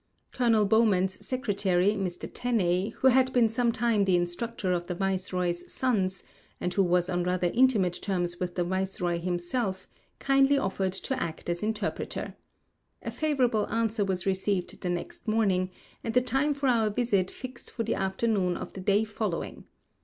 Colonel Bowman's secretary, Mr. Tenney, who had been some time the instructor of the viceroy's sons, and who was on rather 196 Across Asia on a Bicycle A CHINAMAN SCULLING ON THE PEI HO. intimate terms with the viceroy himself, kindly offered to act as interpreter. A favorable answer was received the next morning, and the time for our visit fixed for the afternoon of the day following.